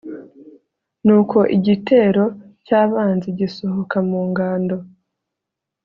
nuko igitero cy'abanzi gisohoka mu ngando